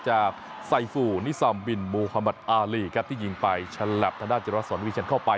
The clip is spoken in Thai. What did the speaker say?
จากไซฟูนิซ่าบินมูฮามัทอาลีที่ยิงไปฉลับทนาจิรัสวรรค์วิเชียนเข้าไป